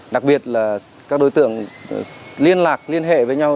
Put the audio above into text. đặc biệt là các đối tượng liên lạc liên hệ với nhau